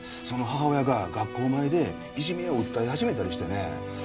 その母親が学校前でいじめを訴え始めたりしてね。